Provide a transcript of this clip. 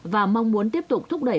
và mong muốn tiếp tục thúc đẩy